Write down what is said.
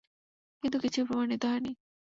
কিন্তু কিছুই প্রমাণিত হয়নি।